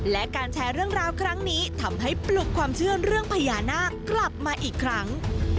และการแชร์เรื่องราวครั้งนี้ทำให้ปลุกความเชื่อเรื่องพญานาคกลับมาอีกครั้ง